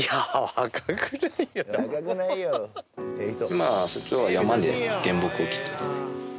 今日は山で原木を切ってますね